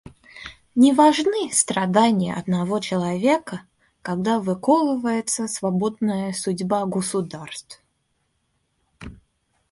Не важны страдания одного человека, когда выковывается свободная судьба государств.